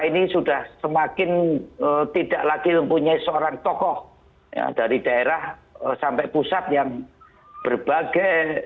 ini sudah semakin tidak lagi mempunyai seorang tokoh dari daerah sampai pusat yang berbagai